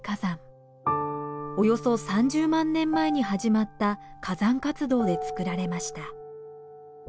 およそ３０万年前に始まった火山活動でつくられました。